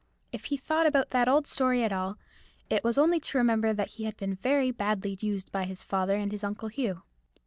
If he thought about that old story at all, it was only to remember that he had been very badly used by his father and his Uncle Hugh.